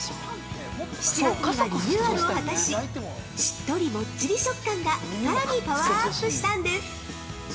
７月にはリニューアルを果たし「しっとりもっちり食感」がさらにパワーアップしたんです！